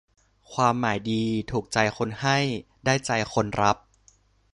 ความหมายดี ถูกใจคนให้ ได้ใจคนรับ